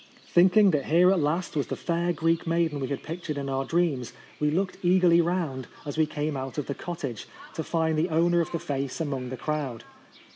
Thinking that here at last was the fair Greek maiden we had pictured in our dreams, we looked eagerly round, as we came out of the cottage, to find the owner of the face among the crowd.